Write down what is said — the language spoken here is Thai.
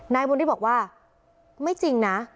นายบุญฤทธิ์บอกว่าไม่จริงนะ